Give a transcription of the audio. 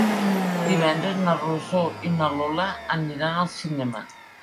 Divendres na Rosó i na Lola aniran al cinema.